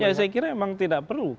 ya saya kira memang tidak perlu